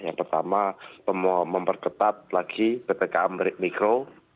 yang pertama memperketat lagi ppkm mikro